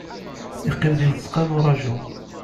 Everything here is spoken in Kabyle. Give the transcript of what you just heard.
Yeqqim di tzeqqa n uṛaju.